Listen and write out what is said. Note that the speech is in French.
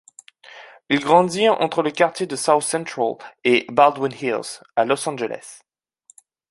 Il grandit entre le quartier de South Central et Baldwin Hills à Los Angeles.